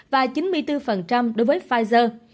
và chín mươi bốn đối với pfizer